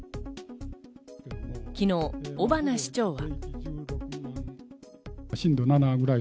昨日、尾花市長は。